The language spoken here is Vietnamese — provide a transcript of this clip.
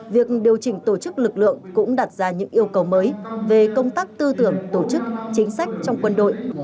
việc điều chỉnh tổ chức lực lượng cũng đặt ra những yêu cầu mới về công tác tư tưởng tổ chức chính sách trong quân đội